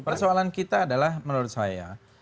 persoalan kita adalah menurut saya